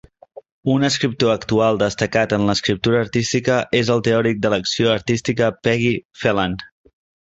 Un escriptor actual destacat en l'escriptura artística és el teòric de l'acció artística Peggy Phelan.